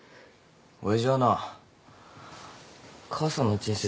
親父はな母さんの人生